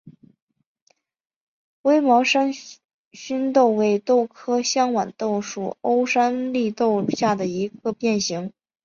微毛山黧豆为豆科香豌豆属欧山黧豆下的一个变型。